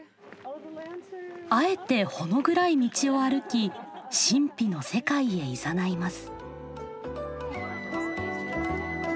あえて仄暗い道を歩き神秘の世界へいざないます。